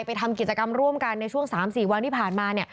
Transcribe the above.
ทำกิจกรรมร่วมกันในช่วง๓๔วันที่ผ่านมาเนี่ย